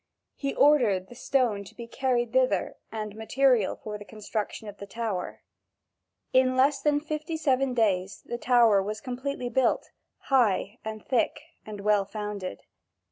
He ordered the stone to be carried thither and the material for the construction of the tower. In less than fifty seven days the tower was completely built, high and thick and well founded.